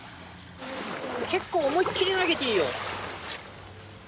結構思いっ切り投げていいよ。